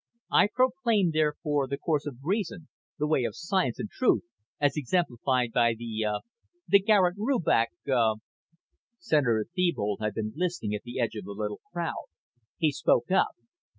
I proclaim, therefore, the course of reason, the way of science and truth as exemplified by the, uh, the Garet Rubach, uh " Senator Thebold had been listening at the edge of the little crowd. He spoke up.